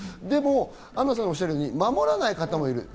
でもアンナさんがおっしゃるように守らない人もいる。